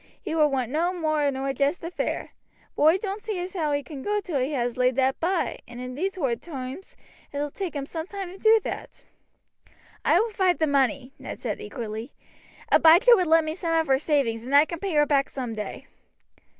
He would want no more nor just the fare. But oi doan't see how he can go till he has laid that by, and in these hard toimes it ull take him some time to do that." "I will provide the money," Ned said eagerly. "Abijah would lend me some of her savings, and I can pay her back some day."